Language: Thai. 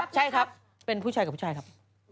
ใช่ครับเป็นผู้ชายกับผู้ชายครับ